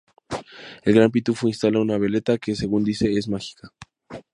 El Gran Pitufo instala una veleta que, según dice, es mágica.